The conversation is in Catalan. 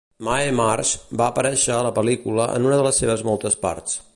Mae Marsh va aparèixer a la pel·lícula en una de les seves moltes parts.